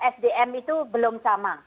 sdm itu belum sama